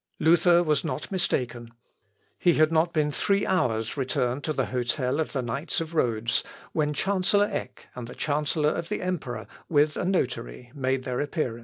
Luther was not mistaken. He had not been three hours returned to the hotel of the Knights of Rhodes when chancellor Eck and the chancellor of the emperor, with a notary, made their appearance.